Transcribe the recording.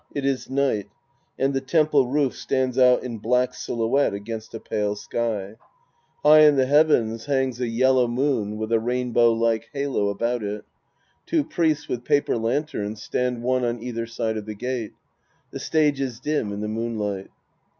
It is night, and the temple roof stands out in black silhouette dgainst a pale sk^. High in the fimvens hangs a Sc. in The Priest and His Disciples 235 yellow moon with a /ainbow like halo about it. Two Priests with paper lanterns stand one on either side of the gate. The stage is dim in the moonlight!)